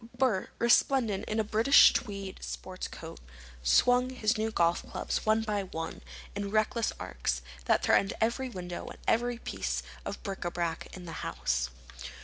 Bert, resplendent in a British tweed sports coat, swung his new golf clubs one by one, in reckless arcs that threatened every window and every piece of bric a brac in the house.